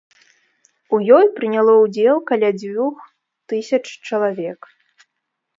У ёй прыняло ўдзел каля дзвюх тысяч чалавек.